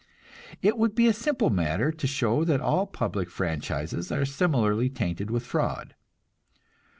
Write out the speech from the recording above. It would be a simple matter to show that all public franchises are similarly tainted with fraud.